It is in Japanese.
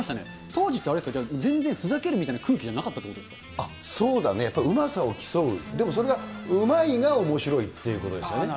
当時ってあれですか、全然ふざけるみたいな空気じゃなかったということでそうだね、うまさを競う、でも、それが、うまいがおもしろいっていうことですよね。